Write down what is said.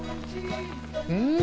うん！